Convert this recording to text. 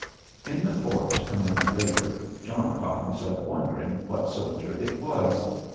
In the fort, a minute later, John caught himself wondering what soldier it was.